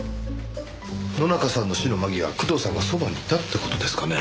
野中さんの死の間際工藤さんがそばにいたって事ですかね？